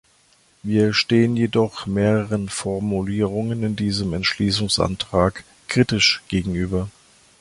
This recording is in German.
Wir stehen jedoch mehreren Formulierungen in diesem Entschließungsantrag kritisch gegenüber.